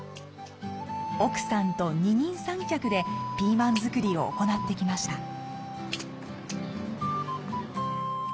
奥さんと二人三脚でピーマン作りを行ってきました。